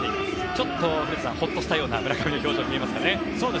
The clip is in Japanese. ちょっとほっとしたような村上の表情に見えますかね。